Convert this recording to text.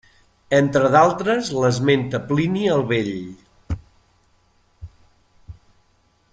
Entre d'altres l'esmenta Plini el Vell.